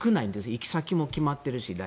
行き先も大体決まっているし。